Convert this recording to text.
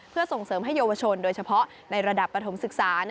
เพื่อส่งเสริมให้เยาวชนโดยเฉพาะในระดับปฐมศึกษา